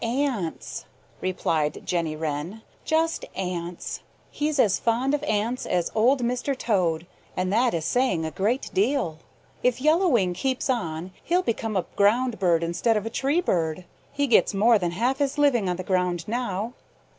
"Ants," replied Jenny Wren. "Just ants. He's as fond of ants as is Old Mr. Toad, and that is saying a great deal. If Yellow Wing keeps on he'll become a ground bird instead of a tree bird. He gets more than half his living on the ground now.